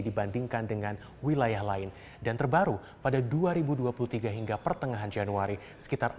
dibandingkan dengan wilayah lain dan terbaru pada dua ribu dua puluh tiga hingga pertengahan januari sekitar